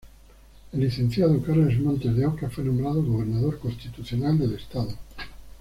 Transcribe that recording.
El licenciado Carlos Montes de Oca fue nombrado Gobernador Constitucional del Estado.